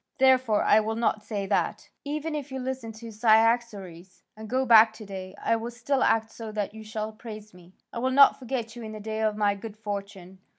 Therefore I will not say that; I will say instead, 'Even if you listen to Cyaxares and go back to day, I will still act so that you shall praise me, I will not forget you in the day of my good fortune.'